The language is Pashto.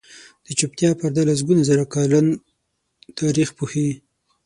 د چوپتیا پرده لسګونه زره کلن تاریخ پوښي.